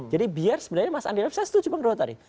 jadi biar sebenarnya mas andi arief saya itu cuma ngerti tadi